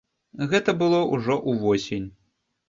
Гэта было ўжо ўвосень.